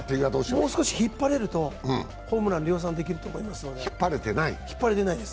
もう少し引っ張れると、ホームラン量産できると思いますので。